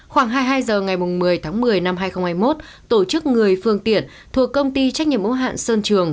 khoảng hai mươi hai h ngày một mươi tháng một mươi năm hai nghìn hai mươi một tổ chức người phương tiện thuộc công ty trách nhiệm ủng hạn sơn trường